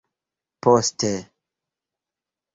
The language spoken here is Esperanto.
poste